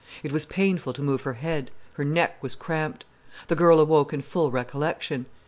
It was painful to move her head: her neck was cramped. The girl awoke in full recollection.